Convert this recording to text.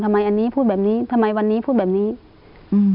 ทำไมอันนี้พูดแบบนี้ทำไมวันนี้พูดแบบนี้อืม